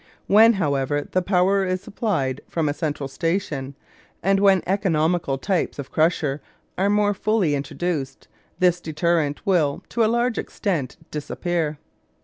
When, however, the power is supplied from a central station, and when economical types of crusher are more fully introduced, this deterrent will, to a large extent, disappear.